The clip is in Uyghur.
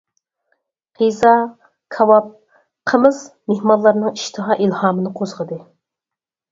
قىزا، كاۋاپ، قىمىز مېھمانلارنىڭ ئىشتىھا، ئىلھامىنى قوزغىدى.